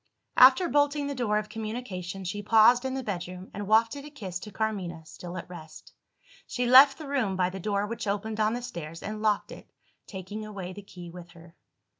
After bolting the door of communication, she paused in the bedroom, and wafted a kiss to Carmina, still at rest. She left the room by the door which opened on the stairs, and locked it, taking away the key with her.